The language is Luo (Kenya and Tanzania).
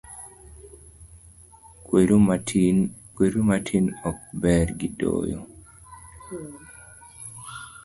Kweru matin ok ber gidoyo.